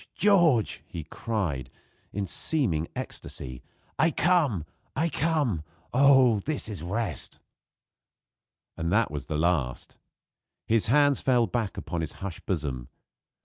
George!" he cried, in seeming ecstasy, "I come! I come! Oh! this is rest!" And that was the last. His hands fell back upon his hushed bosom.